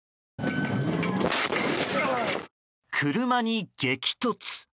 車に激突。